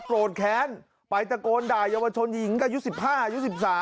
โกรธแค้นไปตะโกนด่าเยาวชนหญิงอายุ๑๕อายุ๑๓